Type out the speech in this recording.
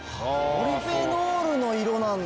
ポリフェノールの色なんだ。